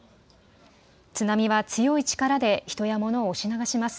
津波は強い力で人や物を押し流します。